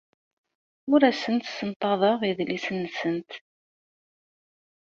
Ur asent-ssenṭaḍeɣ idlisen-nsent.